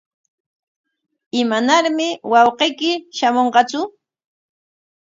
¿Imanarmi wawqiyki shamunqatsu?